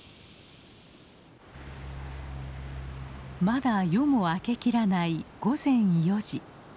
まだ夜も明けきらない午前４時。